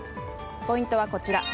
ポイントはこちら。